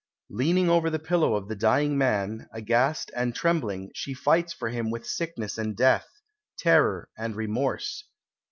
"Leaning over the pillow of the dying man, aghast and trembling, she fights for him with sickness and death, terror and remorse."